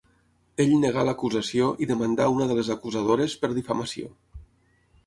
Ell negà l'acusació i demandà a una de les acusadores per difamació.